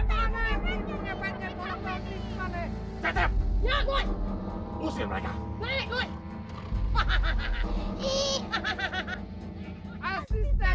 tidak ada tahun menawar cepat kalian pergi